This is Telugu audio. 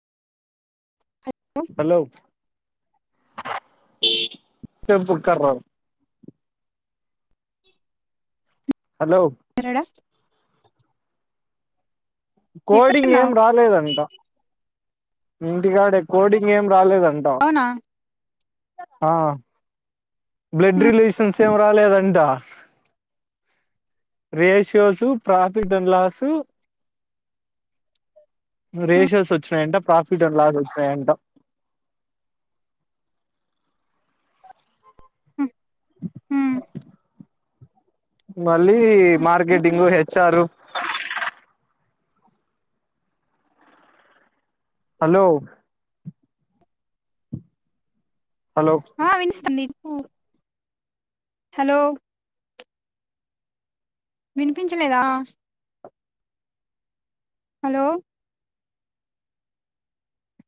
హలో చెప్పు కార హలో ఎక్కడా కోడింగ్ ఏం ఎక్కడున్నావు రాలేదంట ఇంటికాడ కోడింగ్ ఏం రాలేదంటా అవునా ఆ బ్లడ్ రిలేషన్స్ ఏం రాలేదంట ratios profit and loss ratios వచ్చినాయంట ప పిటలాగ వస్తాయంట హుమ్ మ్ మళ్ళీ మార్కెటింగు హెచ్చారు హలో హలో ఉండు హలో వినిపించలేదా హలో